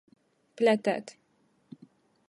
Pletēt.